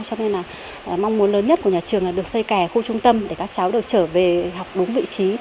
cho nên là mong muốn lớn nhất của nhà trường là được xây kè khu trung tâm để các cháu được trở về học đúng vị trí